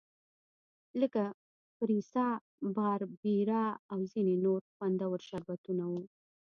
لکه فریسا، باربیرا او ځیني نور خوندور شربتونه وو.